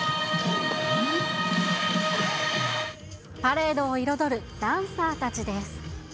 パレードを彩るダンサーたちです。